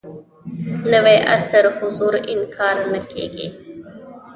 نوي عصر حضور انکار نه کېږي.